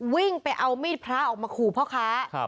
วิ่งไปเอามีดพระออกมาขู่พ่อค้า